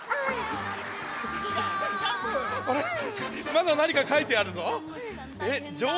まだなにかかいてあるぞ？